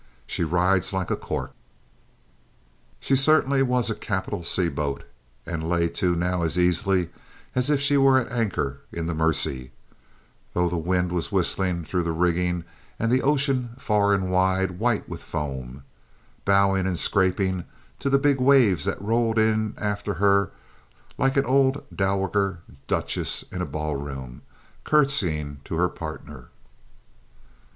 She rides like a cork." She certainly was a capital seaboat and lay to now as easily as if she were at anchor in the Mersey, though the wind was whistling through the rigging and the ocean far and wide white with foam, bowing and scraping to the big waves that rolled in after her like an old dowager duchess in a ball room, curtseying to her partner.